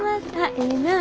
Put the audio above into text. ええなぁ。